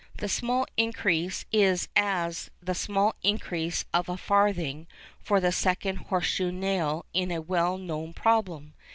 The small increase is as the small increase of a farthing for the second horseshoe nail in the well known problem.